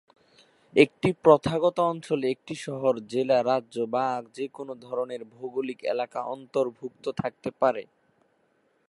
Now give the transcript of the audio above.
একটি প্রথাগত অঞ্চলে একটি শহর, জেলা, রাজ্য বা যেকোনো ধরনের ভৌগোলিক এলাকা অন্তর্ভুক্ত থাকতে পারে।